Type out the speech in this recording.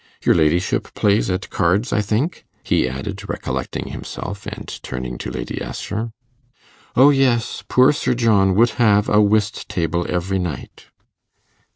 Your ladyship plays at cards, I think?' he added, recollecting himself, and turning to Lady Assher. 'O yes! Poor dear Sir John would have a whist table every night.